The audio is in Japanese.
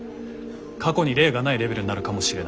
過去に例がないレベルになるかもしれない。